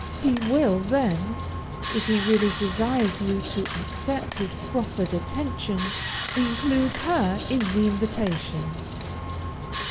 He will then, if he really desires you to accept his proffered attention, include her in the invitation.